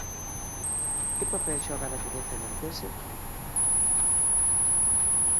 Que papel xoga a natureza en Antese?